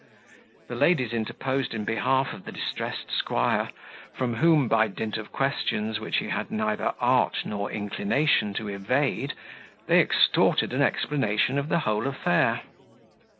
The ladies interposed in behalf of the distressed squire, from whom, by dint of questions which he had neither art nor inclination to evade, they extorted an explanation of the whole affair.